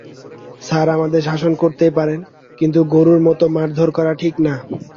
Sir আমাদের শাসন করতেই পারেন, কিন্তু গরুর মতো মারধর করা ঠিক না।